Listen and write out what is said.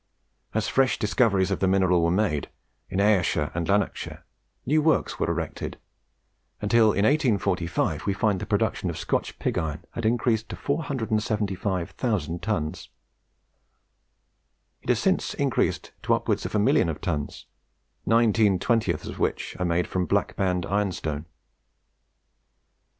As fresh discoveries of the mineral were made, in Ayrshire and Lanarkshire, new works were erected, until, in 1845, we find the production of Scotch pig iron had increased to 475,000 tons. It has since increased to upwards of a million of tons, nineteen twentieths of which are made from Black Band ironstone.